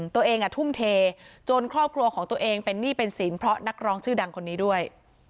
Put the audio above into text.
ตัวเองทุ่มเทจนครอบครัวของตัวเองเป็นหนี้เป็นสินเพราะนักร้องชื่อดังคนนี้ด้วย